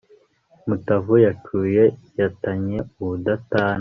mutavu yacu yatannye ubudutana